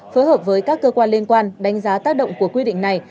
phối hợp với các cơ quan liên quan đánh giá tác động của quy định này